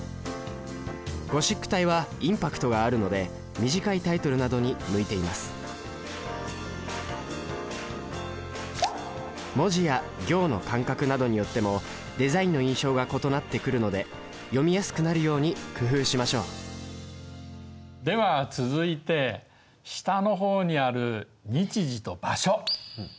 ゴシック体はインパクトがあるので短いタイトルなどに向いています文字や行の間隔などによってもデザインの印象が異なってくるので読みやすくなるように工夫しましょうでは続いて下の方にある日時と場所。